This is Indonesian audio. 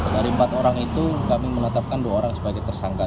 dari empat orang itu kami menetapkan dua orang sebagai tersangka